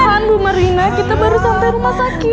tahan bu marina kita baru sampai rumah sakit